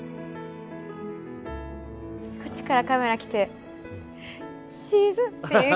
こっちからカメラ来て「沈」っていう。